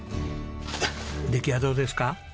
出来はどうですか？